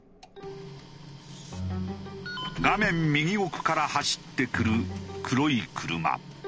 画面右奥から走ってくる黒い車。